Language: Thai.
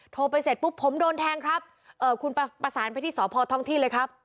โทรไปเสร็จปุ๊บผมโดนแทงครับเอ่อคุณประสานไปที่สพท่องที่เลยครับ